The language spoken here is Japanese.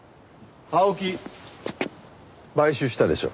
青木買収したでしょ。